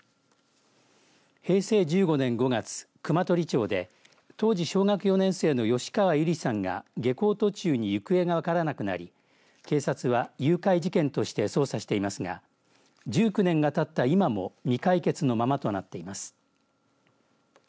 平成１５年５月、熊取町で当時小学４年生の吉川友梨さんが下校途中に行方が分からなくなり警察は誘拐事件として捜査していますが１９年がたった今も未解決のままとなっています。